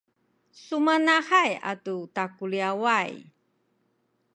sumanahay atu takuliyaway